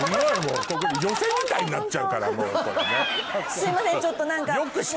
すいませんちょっと何か。